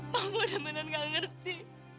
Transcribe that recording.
mama udah beneran gak ngerti